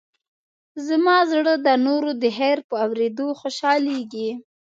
زما زړه د نورو د خیر په اورېدو خوشحالېږي.